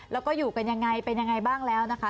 แล้วก็อยู่กันอย่างไรเป็นอย่างไรบ้างแล้วนะค่ะ